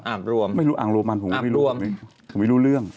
อ่างโรมันอ่างโรมันผมไม่รู้เรื่อง